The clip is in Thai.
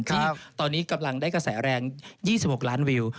ที่ตอนนี้กำลังได้กระแสแรง๒๖ล้านวิว